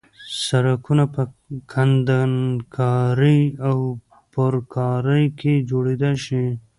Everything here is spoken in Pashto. سرکونه په کندنکارۍ او پرکارۍ کې جوړېدای شي